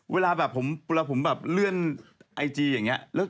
เวลาผมเลื่อนไอจีอย่างนี้